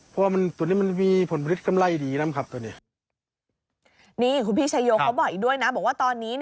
เพราะมันมันมีผลิตกำไรดีล้ำครับตอนนี้นี่คุณพี่ชะโยข้อบอกด้วยนะบอกว่าตอนนี้